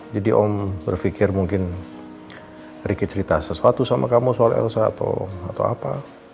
jadi om berfikir mungkin riki cerita sesuatu sama kamu soal elsa atau apa